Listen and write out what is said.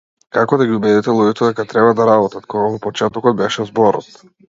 Како да ги убедите луѓето дека треба да работат, кога во почетокот беше зборот?